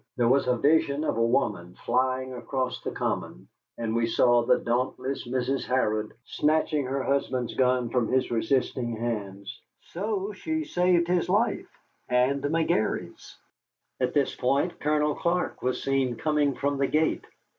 There was a vision of a woman flying across the common, and we saw the dauntless Mrs. Harrod snatching her husband's gun from his resisting hands. So she saved his life and McGary's. At this point Colonel Clark was seen coming from the gate.